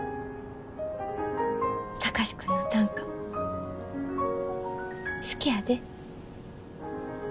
貴司君の短歌好きやで。